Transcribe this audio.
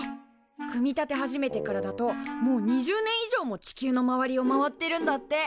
組み立て始めてからだともう２０年以上も地球の周りを回ってるんだって。